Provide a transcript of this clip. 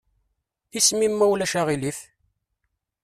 Isem-im ma ulac aɣilif?